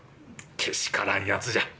けしからんやつじゃ。